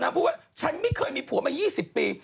พูดว่าฉันไม่เคยมีผัวมา๒๐ปี